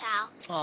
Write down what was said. あ。